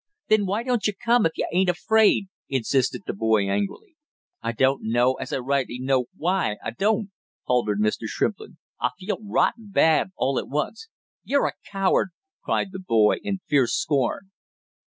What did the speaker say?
"Then why don't you come if you ain't afraid?" insisted the boy angrily. "I don't know as I rightly know why I don't!" faltered Mr. Shrimplin. "I feel rotten bad all at once." "You're a coward!" cried the boy in fierce scorn.